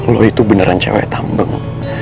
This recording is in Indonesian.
lo itu beneran cewek tambang